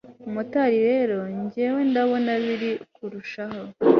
Motari rero njyewe ndabona biri kurushaho